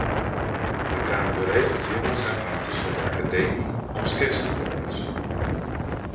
Der kamen geregeld jonges en famkes fan de Akademy om sketsen te meitsjen.